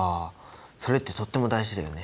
それってとっても大事だよね。